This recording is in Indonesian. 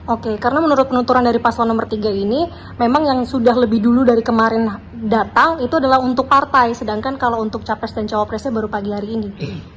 oke karena menurut penuturan dari paslon nomor tiga ini memang yang sudah lebih dulu dari kemarin datang itu adalah untuk partai sedangkan kalau untuk capres dan cawapresnya baru pagi hari ini